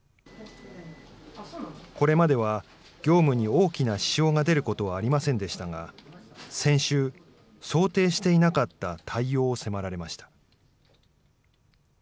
これまでは、業務に大きな支障が出ることはありませんでしたが、先週、想定していなかった対応を迫られました。